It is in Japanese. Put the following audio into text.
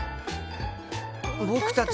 僕たち。